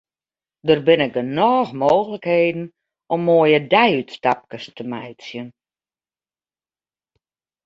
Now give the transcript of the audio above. Der binne genôch mooglikheden om moaie deiútstapkes te meitsjen.